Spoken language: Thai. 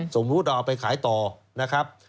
สมมุติเราเอาไปขายต่อนะครับ